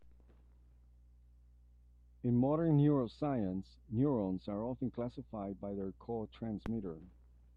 In modern neuroscience, neurons are often classified by their cotransmitter.